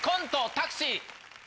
「タクシー」。